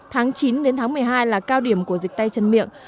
tháng chín đến tháng một mươi hai là cao điểm của dịch tay chân miệng